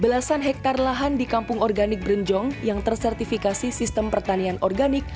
belasan hektare lahan di kampung organik berenjong yang tersertifikasi sistem pertanian organik